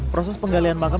proses penggalian makam